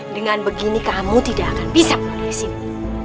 dengan begini kamu tidak akan bisa keluar dari sini